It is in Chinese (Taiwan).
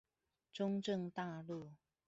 中正大路